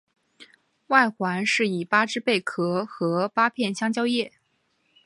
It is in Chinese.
外环饰以八只贝壳和八片香蕉叶。